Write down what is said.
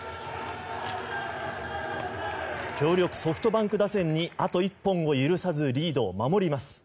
強力ソフトバンク打線にあと１本を許さずリードを守ります。